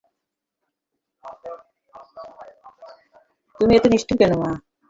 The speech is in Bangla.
তুমি এতো নিষ্ঠুর কেন, মা?